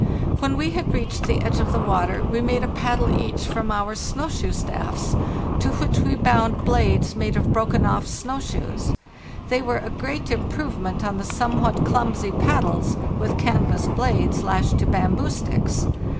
When we had reached the edge of the water we made a paddle each from our snow shoe staffs, to which we bound blades made of broken off snow shoes. They were a great improvement on the somewhat clumsy paddles, with canvas blades lashed to bamboo sticks.